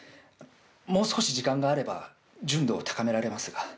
もう少し時間があれば純度を高められますが。